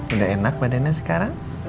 udah enak badannya sekarang